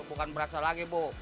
bukan berasa lagi bu